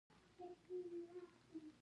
عثماني امپراتورۍ او چین متفاوت وضعیت درلود.